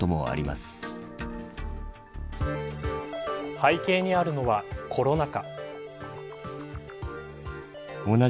背景にあるのはコロナ禍。